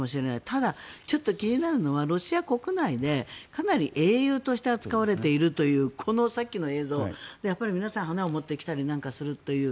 ただ、ちょっと気になるのはロシア国内で、かなり英雄として扱われているというこのさっきの映像、皆さん花を持ってきたりするという。